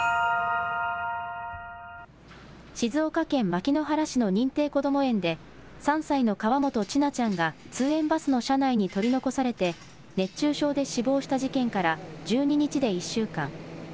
静岡県牧之原市の認定こども園で３歳の河本千奈ちゃんが通園バスの車内に取り残されて熱中症で死亡した事件から１２日で１週間。